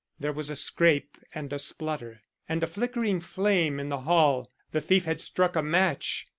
There was a scrape and a splutter, and a flickering flame in the hall; the thief had struck a match.